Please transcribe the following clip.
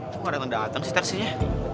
kok gak dateng dateng sih taksinya